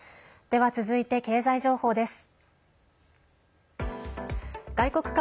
では続いて経済情報です。